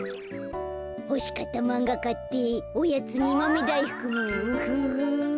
ほしかったまんがかっておやつにまめだいふくもウフフ。